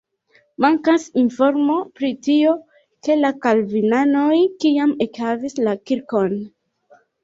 Mankas informo pri tio, ke la kalvinanoj kiam ekhavis la kirkon.